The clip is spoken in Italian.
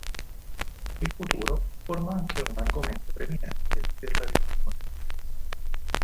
Il futuro forma anche un argomento preminente per la religione.